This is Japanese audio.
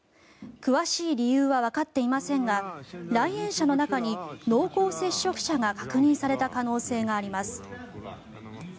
詳しい理由はわかっていませんが来園者の中に濃厚接触者が確認された可能性があります。